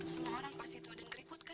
semua orang pasti tua dan keriput kan